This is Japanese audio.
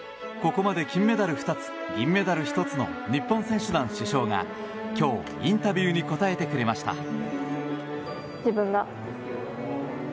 ここまで金メダル２つ銀メダル１つの日本選手団主将が今日、インタビューに答えてくれました。